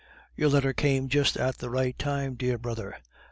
"Your letter came just at the right time, dear brother.